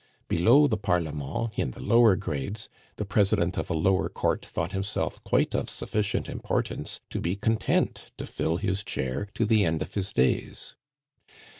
Below the Parlement, in the lower grades, the president of a lower Court thought himself quite of sufficient importance to be content to fill his chair to the end of his days.